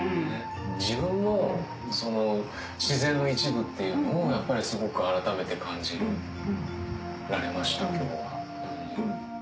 自分も自然の一部っていうのをやっぱりすごく改めて感じられました今日は。